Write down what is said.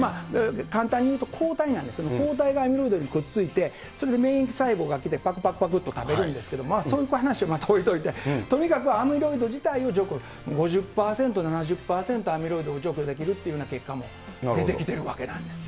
簡単に言うと、抗体なんですね、抗体がアミロイドにくっついて、それで免疫細胞が来てぱくぱくぱくと食べるんですけど、そういう話は置いといて、とにかくアミロイド自体を除去、５０％、７０％アミロイドを除去できるっていうような結果も出てきているわけなんですよ。